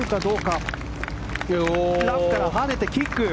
ラフから跳ねてキック。